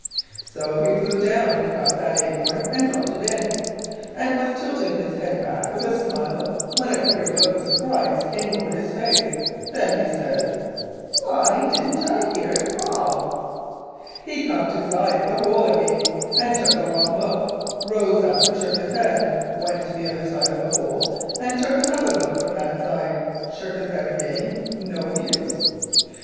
"So he flew down and got that acorn and dropped it in, and was tilting his head back with a smile when a queer look of surprise came over his face. Then he says: 'Why, I didn't hear it fall.' "He cocked his eye at the hole again and took a long look; rose up and shook his head; went to the other side of the hole and took another look from that side; shook his head again. No use.